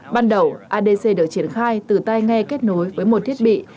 ban đầu adc được triển khai từ tay nghe kết nối với một thiết bị